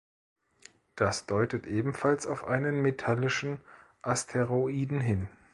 Das deutet ebenfalls auf einen metallischen Asteroiden hin.